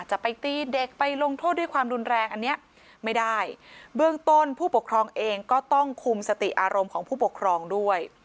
จะไปตีเด็กไปลงโทษด้วยความรุนแรงอันเนี้ยไม่ได้เบื้องต้นผู้ปกครองเองก็ต้องคุมสติอารมณ์ของผู้ปกครองด้วย